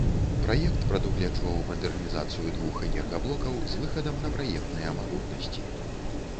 Праект прадугледжваў мадэрнізацыю двух энергаблокаў з выхадам на праектныя магутнасці.